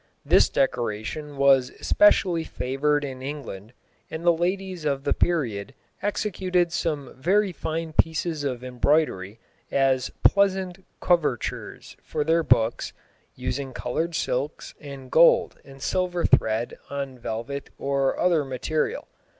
This decoration was especially favoured in England, and the ladies of the period executed some very fine pieces of embroidery as "pleasant covertures" for their books, using coloured silks and gold and silver thread on velvet or other material.